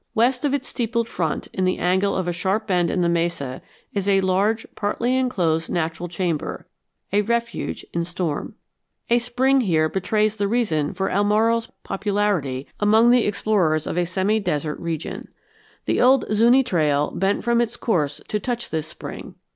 West of its steepled front, in the angle of a sharp bend in the mesa, is a large partly enclosed natural chamber, a refuge in storm. A spring here betrays the reason for El Morro's popularity among the explorers of a semidesert region. The old Zuñi trail bent from its course to touch this spring.